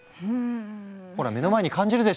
ほら目の前に感じるでしょう？